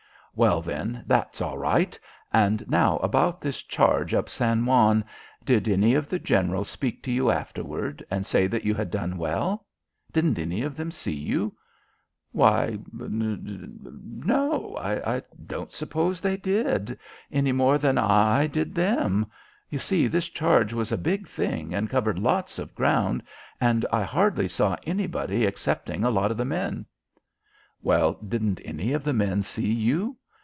"Well, then, that's all right. And now about this charge up San Juan? Did any of the Generals speak to you afterward and say that you had done well? Didn't any of them see you?" "Why, n n no, I don't suppose they did ... any more than I did them. You see, this charge was a big thing and covered lots of ground, and I hardly saw anybody excepting a lot of the men." "Well, but didn't any of the men see you?